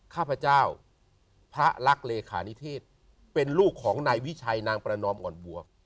ข้าพเจ้าพระรักเลขานิเทศเป็นลูกของนายวิชัยนางประนอมอ่อนบัว